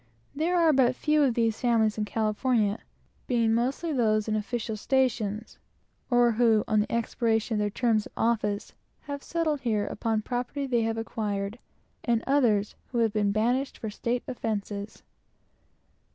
There are but few of these families in California; being mostly those in official stations, or who, on the expiration of their offices, have settled here upon property which they have acquired; and others who have been banished for state offences.